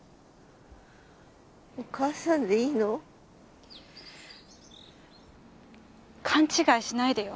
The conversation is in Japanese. お母さんでいいの？勘違いしないでよ。